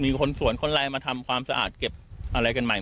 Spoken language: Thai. มีคนส่วนแล้วทำก็อะไรกันไป